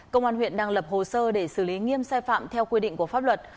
công an huyện đang lập hồ sơ để xử lý nghiêm sai phạm theo quy định của pháp luật